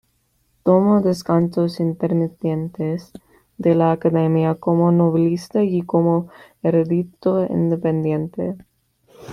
Tomó descansos intermitentes de la academia, como novelista y como erudito independiente.